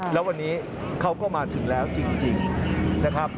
แล้ววันนี้เขาก็มาถึงแล้วจริงนะครับ